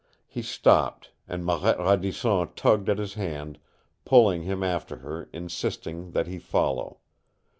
He stopped, and Marette Radisson tugged at his hand, pulling him after her, insisting that he follow.